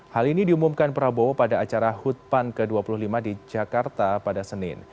hal ini diumumkan prabowo pada acara hut pan ke dua puluh lima di jakarta pada senin